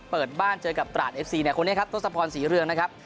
เปิดบ้านเจอกับตราดเอฟซีเนี่ยคนนี้ครับทศพรศรีเรืองนะครับ